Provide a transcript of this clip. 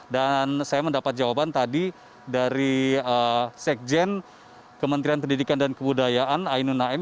dan saya mendapat jawaban tadi dari sekjen kementerian pendidikan dan kebudayaan ainul naim